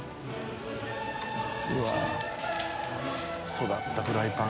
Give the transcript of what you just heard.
育ったフライパン。